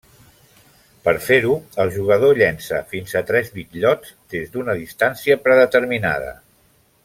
Per fer-ho, el jugador llença fins a tres bitllots des d'una distància predeterminada.